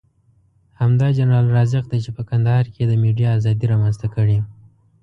همدا جنرال رازق دی چې په کندهار کې یې د ميډيا ازادي رامنځته کړې.